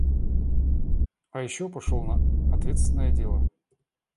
А ещё пошёл на ответственное дело.